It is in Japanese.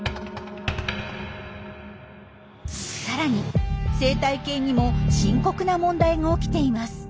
さらに生態系にも深刻な問題が起きています。